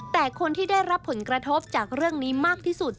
แต่คนที่ได้รับผลกระทบจากเรื่องนี้มากที่สุด